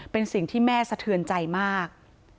เป็นสิ่งที่แม่สะเทือนใจมาก